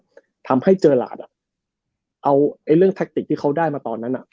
ที่เรียกว่าครับทำให้เจอร์หลาดอ่ะเอาไอ้เรื่องทักติกที่เขาได้มาตอนนั้นอ่ะ